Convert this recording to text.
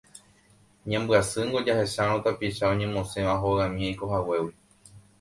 Ñambyasýngo jahechárõ tapicha oñemosẽva hogami oikohaguégui.